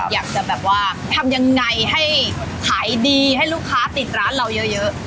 อยากจะแบบว่าทำยังไงให้ขายดีให้ลูกค้าติดร้านเราเยอะ